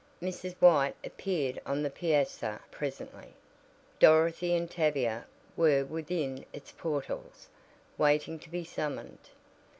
Mrs. White appeared on the piazza presently. Dorothy and Tavia were within its portals, waiting to be summoned.